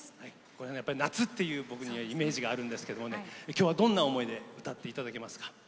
これは夏っていうイメージがあるんですけど今日は、どんな思いで歌っていただけますか？